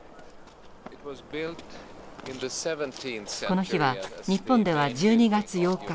この日は日本では１２月８日。